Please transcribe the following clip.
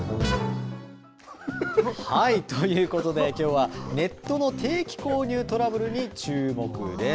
はい、ということできょうはネットの定期購入トラブルにチューモク！です。